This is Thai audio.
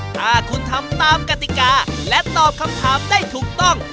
ถ้าคุณทำตามกติกาและตอบคำถามได้ถูกต้อง